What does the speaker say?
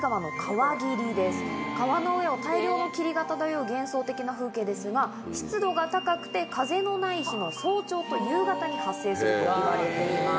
川の上を大量の霧が漂う幻想的な風景ですが湿度が高くて風のない日の早朝と夕方に発生するといわれています。